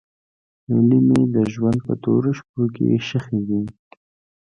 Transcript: هیلې مې د ژوند په تورو شپو کې ښخې دي.